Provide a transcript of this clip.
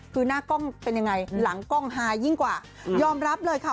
คือหน้ากล้องเป็นยังไงหลังกล้องฮายิ่งกว่ายอมรับเลยค่ะ